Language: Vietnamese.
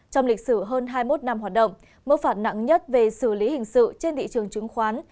trong lịch sử hơn hai mươi một năm hoạt động mức phạt nặng nhất về xử lý hình sự trên thị trường chứng khoán